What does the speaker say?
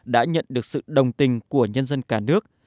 đã nhận được sự đồng tình của nhân dân cả nước